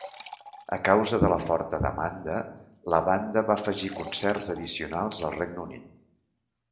A causa de la forta demanda, la banda va afegir concerts addicionals al Regne Unit.